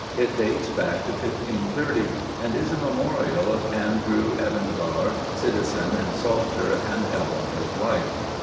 It dates back to 1530 and is a memorial of "Andrewe Evyngar, Cityzen and Salter, and Ellyn his wife."